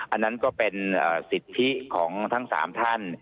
อันนั้นก็เป็นสิทธิของทั้ง๓ท่าน